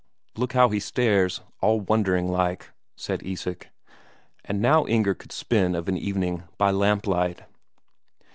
"Look how he stares all wondering like," said Isak. And now Inger could spin of an evening by lamplight.